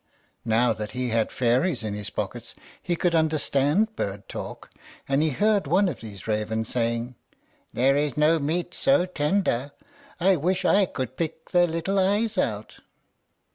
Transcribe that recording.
Now that he had fairies in his pockets, he could understand bird talk, and he heard one of these ravens saying, "There is no meat so tender; I wish I could pick their little eyes out."